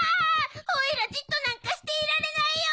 おいらじっとなんかしていられないよ！